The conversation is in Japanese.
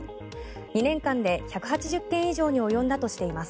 ２年間で１８０件以上に及んだとしています。